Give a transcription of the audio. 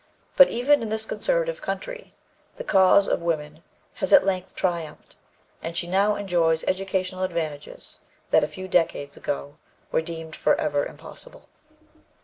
But even in this conservative country the cause of woman has at length triumphed, and she now enjoys educational advantages that a few decades ago were deemed forever impossible.